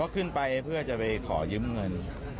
ขึ้นไปเพื่อจะไปขอยืมเงิน